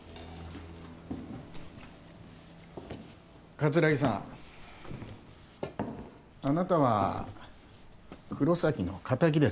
桂木さんあなたは黒崎の仇ですよね